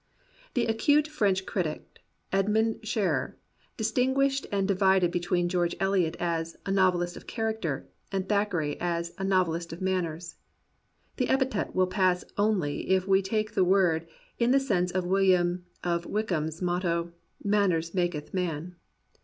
The acute French critic, Edmond Scherer, dis tinguished and divided between George EUot as "a novelist of character," and Thackeray as "a novel ist of manners." The epithet will pass only if we take the word in the sense of William of Wykeham's motto, "Manners makyth man."